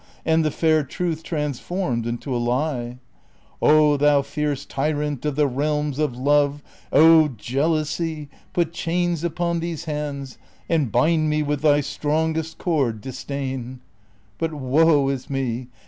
And the fair truth transformed into a lie ? Oh, thou fierce tyrant of the realms of love Oh, Jealousy ! put chains upon these hands. And bind me with thy strongest cord, Disdain. But, woe is me